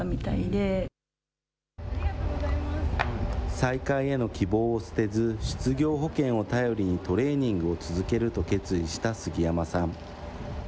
再開への希望を捨てず、失業保険を頼りにトレーニングを続けると決意した杉山さん。